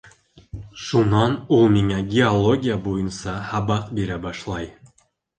Шунан ул миңә геология буйынса һабаҡ бирә башлай...